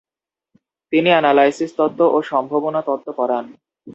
তিনি এনালইসিস তত্ত্ব ও সম্ভবনা তত্ত্ব পড়ান।